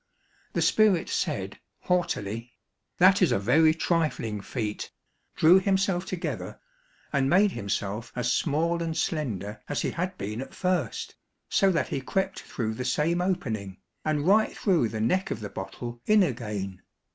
The spirit said haughtily, "that is a very trifling feat," drew himself together, and made himself as small and slender as he had been at first, so that he crept through the same opening, and right through the neck of the bottle in again.